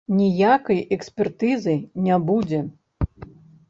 Ніякай экспертызы не будзе.